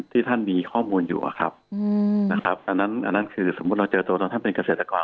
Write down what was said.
ที่ท่านมีข้อมูลอยู่นะครับอันนั้นคือสมมุติเราเจอตัวตนท่านเป็นเกษตรกร